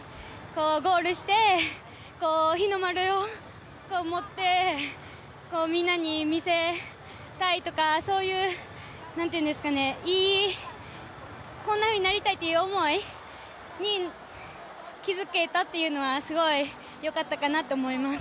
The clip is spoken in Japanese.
ゴールして日の丸を持ってみんなに見せたいとか、そういう、こんなふうになりたいという思いに気づけたというのはすごいよかったかなと思います。